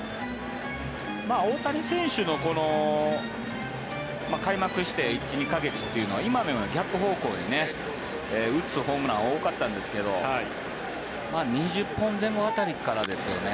大谷選手のこの開幕して１２か月というのは今のような逆方向に打つホームランが多かったんですけど２０本前後辺りからですよね。